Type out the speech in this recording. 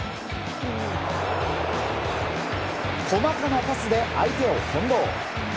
細かなパスで相手を翻弄。